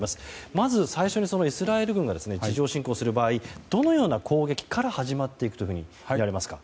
まず、最初にイスラエル軍が地上侵攻する場合どのような攻撃から始まっていくというふうにみられますか。